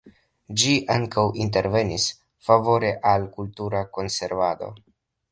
Ĝi ankaŭ intervenis favore al kultura konservado.